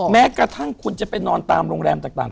แม้กระทั่งนอนตามโรงแรมต่าง